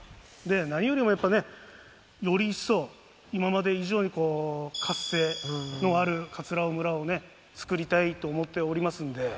何よりもやっぱりね、より一層、今まで以上にこう、活気のある葛尾村を作りたいと思っておりますんで。